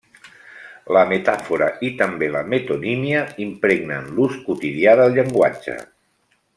La metàfora -i també la metonímia- impregnen l'ús quotidià del llenguatge.